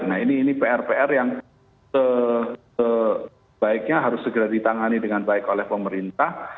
nah ini pr pr yang sebaiknya harus segera ditangani dengan baik oleh pemerintah